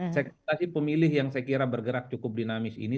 segmentasi pemilih yang saya kira bergerak cukup dinamis ini